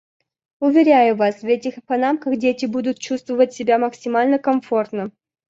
Уверяю вас, в этих панамках дети будут чувствовать себя максимально комфортно.